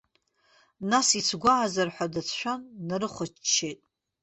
Нас, ицәгәаазар ҳәа дацәшәан, днарыхәаччеит.